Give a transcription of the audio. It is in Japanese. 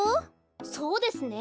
そうですね。